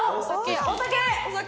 お酒。